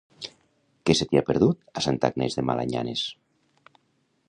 Què se t'hi ha perdut a Santa Agnès de Malanyanes?